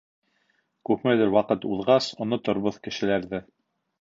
— Күпмелер ваҡыт уҙғас оноторбоҙ кешеләрҙе.